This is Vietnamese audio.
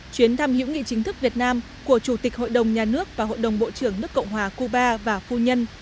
chuyến thăm hữu nghị chính thức việt nam của chủ tịch hội đồng nhà nước và hội đồng bộ trưởng nước cộng hòa cuba và phu nhân